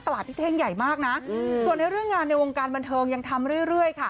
พี่เท่งใหญ่มากนะส่วนในเรื่องงานในวงการบันเทิงยังทำเรื่อยค่ะ